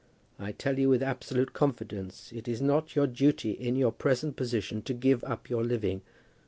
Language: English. I tell you with absolute confidence, that it is not your duty in your present position to give up your living.